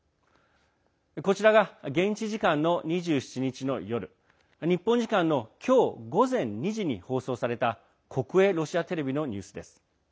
こちらが、現地時間の２７日の夜日本時間の今日、午前２時に放送された国営ロシアテレビのニュースです。